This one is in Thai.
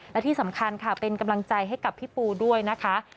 และที่สำคัญค่ะเป็นกำลังใจให้กับพี่ปูด้วยนะคะ